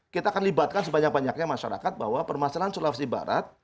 kita akan libatkan sebanyak banyaknya masyarakat bahwa permasalahan sulawesi barat